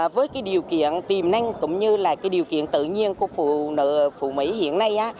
với điều kiện tìm năng cũng như điều kiện tự nhiên của phụ nữ phụ mấy hiện nay